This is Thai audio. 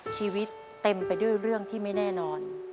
ชีวิตเต็มไปด้วยเรื่องที่ไม่แน่นอน